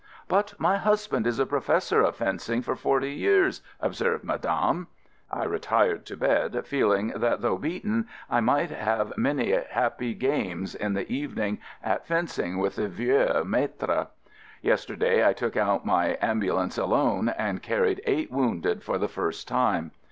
"But my husband is a professor of fencing for forty years," observed Madame. I re tired to bed, feeling that though beaten I might have many happy games in the evening at fencing with the "vieux mat tre." Yesterday I took out my ambu lance alone and carried eight wounded for the first time.